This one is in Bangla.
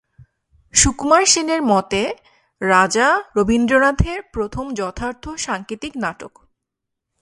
সুকুমার সেনের মতে "রাজা" রবীন্দ্রনাথের প্রথম যথার্থ সাংকেতিক নাটক।